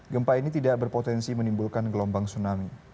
gempa ini tidak berpotensi menimbulkan gelombang tsunami